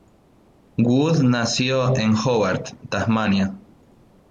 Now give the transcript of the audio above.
Wood nació en Hobart, Tasmania.